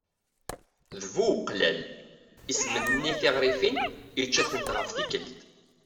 D bu uqlal. Isemnenni tiɣrifin, icca-tent ɣef tikkelt.